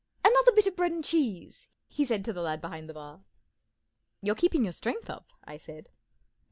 Another bit of bread and cheese," he said to the lad behind the bar. 44 You're keeping your strength up," I said.